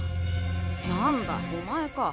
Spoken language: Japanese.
何だお前か。